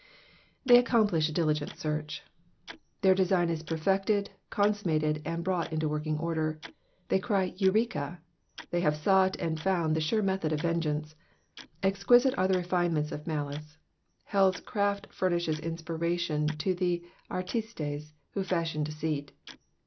''''They accmnpluh a diligerit search."*^ Their design is perfected, consummated, and brought into working oider. They cry Eureka ;" they have sought and found the sure method of vengeance. Exquisite are the refinements of malice ! helPs craft furnishes inspiration to the artintes who fashion deceit.